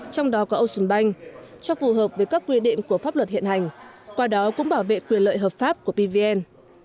trong đó có ocean bank cho phù hợp với các quy định của pháp luật hiện hành qua đó cũng bảo vệ quyền lợi hợp pháp của pvn